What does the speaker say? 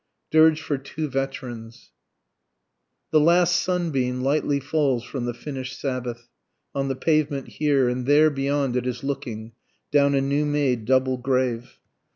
DIRGE FOR TWO VETERANS. The last sunbeam Lightly falls from the finish'd Sabbath, On the pavement here, and there beyond it is looking, Down a new made double grave.